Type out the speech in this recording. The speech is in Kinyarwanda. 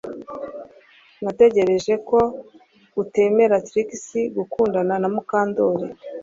Natekereje ko utemera Trix gukundana na Mukandoli